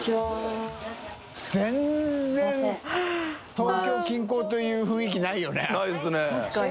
東京近郊という雰囲気ないよね。